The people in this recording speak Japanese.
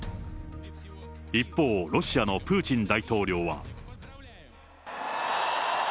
一方、ロシアのプーチン大統領は。